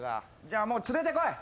じゃあもう連れてこい。